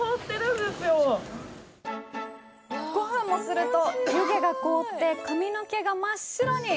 ５分もすると湯気が凍って髪の毛が真っ白に。